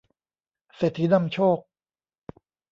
เศรษฐีนำโชค